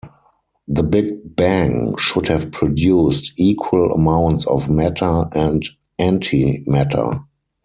The Big Bang should have produced equal amounts of matter and antimatter.